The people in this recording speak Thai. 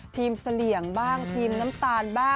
เสลี่ยงบ้างทีมน้ำตาลบ้าง